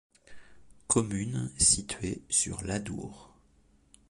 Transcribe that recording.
Commune située sur l'Adour.